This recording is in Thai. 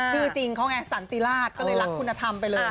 จริงเขาไงสันติราชก็เลยรักคุณธรรมไปเลย